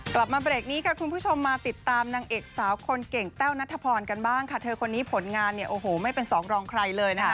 กลับมาเบรกนี้ค่ะคุณผู้ชมมาติดตามนางเอกสาวคนเก่งแต้วนัทพรกันบ้างค่ะเธอคนนี้ผลงานเนี่ยโอ้โหไม่เป็นสองรองใครเลยนะคะ